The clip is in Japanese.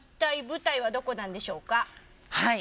はい。